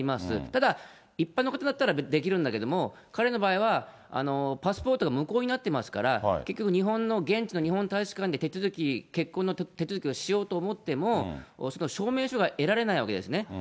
ただ、一般の方だったらできるんだけれども、彼の場合は、パスポートが無効になってますから、結局、日本の現地の日本大使館で手続き、結婚の手続きをしようと思っても、その証明書が得られないわけですね。